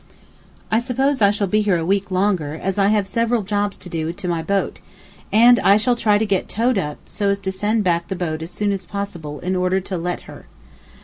I suppose I shall be here a week longer as I have several jobs to do to my boat, and I shall try to get towed up so as to send back the boat as soon as possible in order to let her.